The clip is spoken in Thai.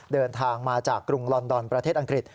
เดินทางมาจากกรุงลอนดอนประเทศอังกฤษ